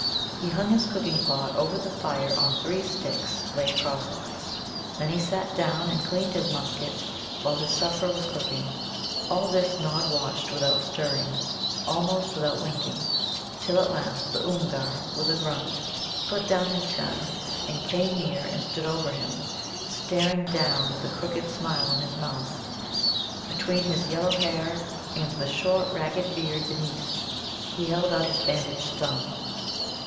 He hung his cooking pot over the fire on three sticks laid crosswise. Then he sat down and cleaned his musket while his supper was cooking. All this Nod watched without stirring, almost without winking, till at last the Oomgar, with a grunt, put down his gun, and came near and stood over him, staring down with a crooked smile on his mouth, between his yellow hair and the short, ragged beard beneath. He held out his bandaged thumb.